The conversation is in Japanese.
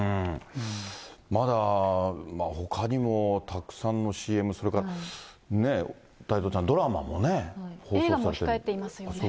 まだほかにもたくさんのＣＭ、それからね、太蔵ちゃん、映画も控えていますよね。